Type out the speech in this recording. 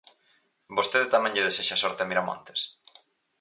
¿Vostede tamén lle desexa sorte a Miramontes?